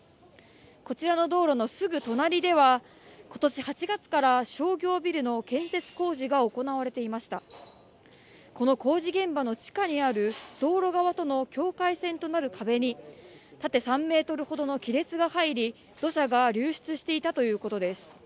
こちらの道路のすぐ隣では今年８月から商業ビルの建設工事が行われていましたこの工事現場の地下にある道路側との境界線となる壁に縦３メートルほどの亀裂が入り土砂が流出していたということです